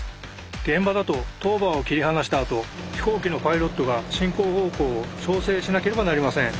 現場だとトーバーを切り離したあと飛行機のパイロットが進行方向を調整しなければなりません。